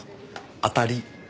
当たり。